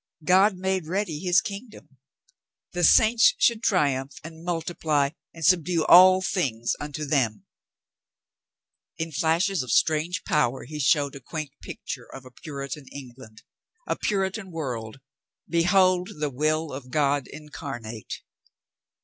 God made ready His kingdom. The saints should triumph and multiply and subdue all things unto them. In flashes of 462 COLONEL GREATHEART strange power he showed a quaint picture of a Puri tan England, a Puritan world, behold the will of God incarnate.